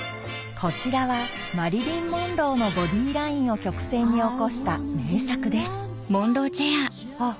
こちらはマリリン・モンローのボディーラインを曲線に起こした名作ですあっ